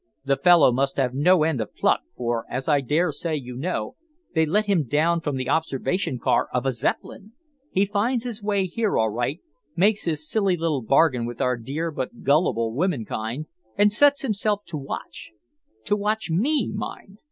The fellow must have no end of pluck, for, as I dare say you know, they let him down from the observation car of a Zeppelin. He finds his way here all right, makes his silly little bargain with our dear but gullible womenkind, and sets himself to watch to watch me, mind.